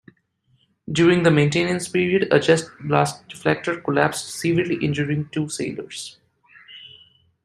During the maintenance period, a jet blast deflector collapsed, severely injuring two sailors.